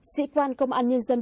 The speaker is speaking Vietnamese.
sĩ quan công an nhân dân